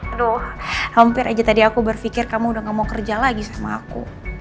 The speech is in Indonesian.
aduh hampir aja tadi aku berpikir kamu udah gak mau kerja lagi sama aku